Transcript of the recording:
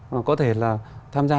và có thể là tham gia